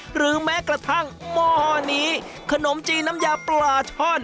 หรือแม้กระทั่งหม้อนี้ขนมจีนน้ำยาปลาช่อน